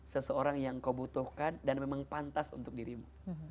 seseorang yang kau butuhkan dan memang pantas untuk dirimu